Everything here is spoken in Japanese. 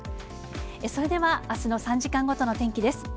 それでは、あすの３時間ごとの天気です。